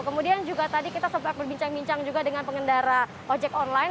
kemudian juga tadi kita sempat berbincang bincang juga dengan pengendara ojek online